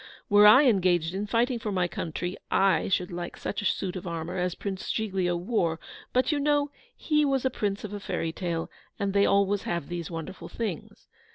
Were I engaged in fighting for my country, I should like such a suit of armour as Prince Giglio wore; but, you know, he was a Prince of a fairy tale, and they always have these wonderful things.